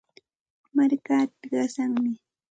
Markaata qasanmi.